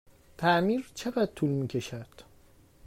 تعمیر چقدر طول می کشد؟